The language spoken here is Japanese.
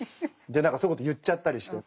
そういうことを言っちゃったりして。